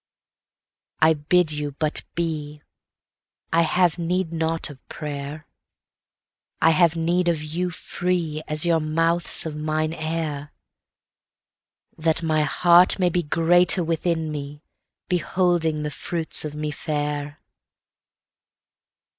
I bid you but be;I have need not of prayer;I have need of you freeAs your mouths of mine air; That my heart may be greater within me, beholding the fruits of me fair.